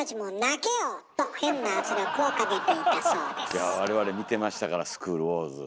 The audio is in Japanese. いや我々見てましたから「スクール★ウォーズ」。